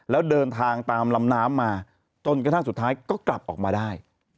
แล้วเดินทางตามลำน้ำมาจนกระทั่งสุดท้ายก็กลับออกมาได้